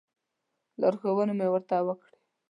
لارښوونې مو ورته وکړې.